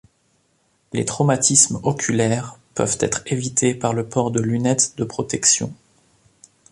Les traumatismes oculaires peuvent être évités par le port de lunettes de protection.